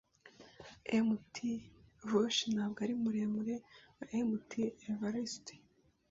Mt. Fuji ntabwo ari muremure nka Mt. Everest.